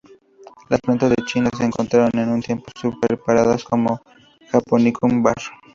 Las plantas de China se encontraron en un tiempo separadas como "C. japonicum var.